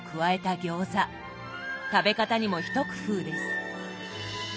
食べ方にも一工夫です。